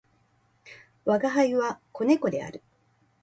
吾輩は、子猫である。